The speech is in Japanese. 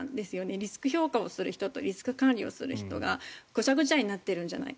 リスク評価をする人とリスク管理をする人がごちゃごちゃになってるんじゃないか。